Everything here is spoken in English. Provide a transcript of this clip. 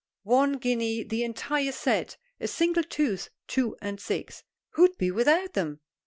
One guinea the entire set; a single tooth, two and six. Who'd be without 'em?"